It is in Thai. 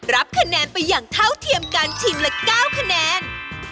รับคะแนนไปอย่างเท่าเทียมกันทีมละ๙คะแนน